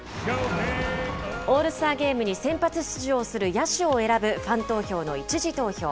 オールスターゲームに、先発出場する野手を選ぶ、ファン投票の１次投票。